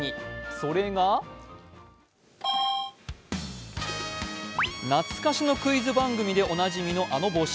それが懐かしのクイズ番組でおなじみのあの帽子。